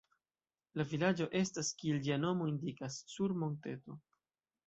La vilaĝo estas, kiel ĝia nomo indikas, sur monteto.